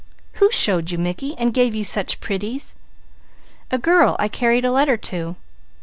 "Who showed you Mickey, and gave you such pretties?" "A girl I carried a letter to.